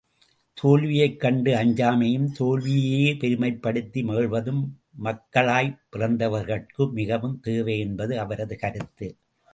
தோல்வியைக் கண்டு அஞ்சாமையும் தோல்வியையே பெருமைப்படுத்தி மகிழ்வதும் மக்காளய்ப் பிறந்தவர்கட்கு மிகவும் தேவை என்பது அவரது கருத்து.